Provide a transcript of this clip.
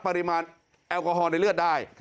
ปริมาณแอลกอฮอลในเลือดได้